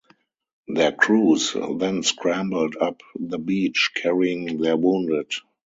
Their crews then scrambled up the beach carrying their wounded.